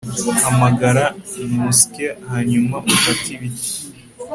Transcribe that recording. Hamagara Nausicaa hanyuma ufate ibiti